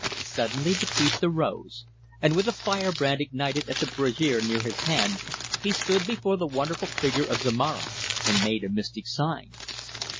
Suddenly the priest arose, and with a fire brand ignited at the brazier near his hand, he stood before the wonderful figure of Zomara and made a mystic sign.